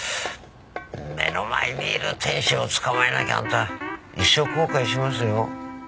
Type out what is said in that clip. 目の前にいる天使を捕まえなきゃあんた一生後悔しますよ。